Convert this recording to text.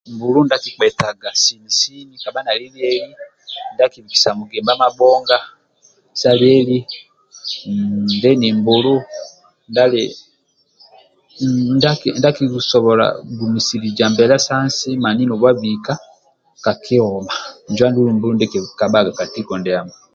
Mbulu ndi akikpetaga sini sini kabha nali lieli ndia akikpetaga mugimba mabhonga sa lieli kabha nali lieli mmm deni mbulu ndia akisobola akigumisiliza mbela sa nsi mani nobu abika ka kyoma injo andulu mbulu ndie niki kabhaga ka tiko ndiamo